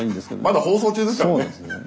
まだ放送中ですからね。